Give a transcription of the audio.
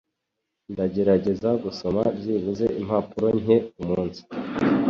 Ndagerageza gusoma byibuze impapuro nke kumunsi.